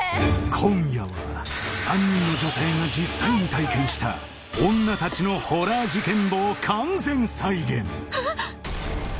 今夜は３人の女性が実際に体験した女たちのホラー事件簿を完全再現！